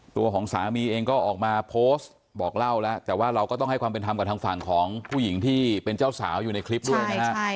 ตัวของสามีเองก็ออกมาโพสต์บอกเล่าแล้วแต่ว่าเราก็ต้องให้ความเป็นธรรมกับทางฝั่งของผู้หญิงที่เป็นเจ้าสาวอยู่ในคลิปด้วยนะฮะ